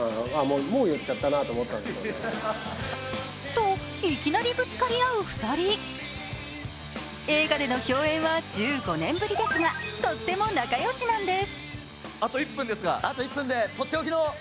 と、いきなりぶつかり合う２人映画での共演は１５年ぶりですが、とっても仲よしなんです。